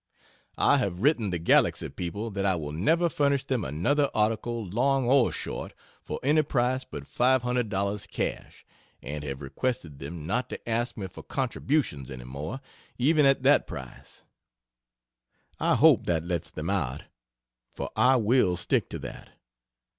I have written the Galaxy people that I will never furnish them another article long or short, for any price but $500.00 cash and have requested them not to ask me for contributions any more, even at that price. I hope that lets them out, for I will stick to that.